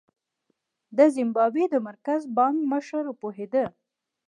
د زیمبابوې د مرکزي بانک مشر پوهېده.